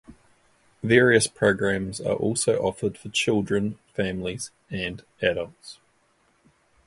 Various programs are also offered for children, families, and adults.